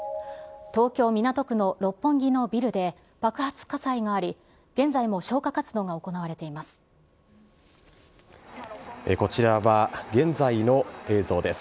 東京・港区の六本木のビルで爆発火災があり、現在も消火活動が行われています。